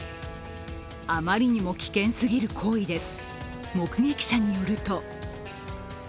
あまりにも危険すぎる行為です。